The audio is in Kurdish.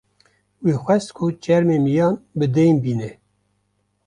wî xwest ku çermê miyan bi deyn bîne